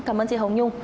cảm ơn chị hồng nhung